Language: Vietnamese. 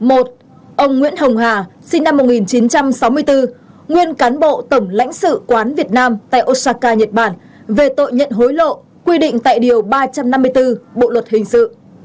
ông nguyễn hồng hà sinh năm một nghìn chín trăm sáu mươi bốn nguyên cán bộ tổng lãnh sự quán việt nam tại osaka nhật bản về tội nhận hối lộ quy định tại điều ba trăm năm mươi bốn bộ luật hình sự